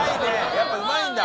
やっぱうまいんだ。